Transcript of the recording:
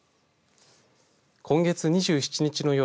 今月２７日の夜